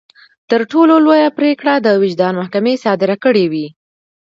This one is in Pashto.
تر ټولو لويه پرېکړه د وجدان محکمې صادره کړې وي.